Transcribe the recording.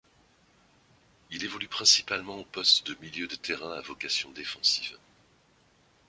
Il évolue principalement au poste de milieu de terrain, à vocation défensive.